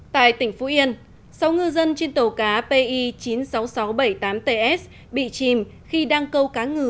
tại tỉnh phú yên sáu ngư dân trên tàu cá pi chín mươi sáu nghìn sáu trăm bảy mươi tám ts bị chìm khi đang câu cá ngừ